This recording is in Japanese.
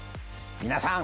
皆さん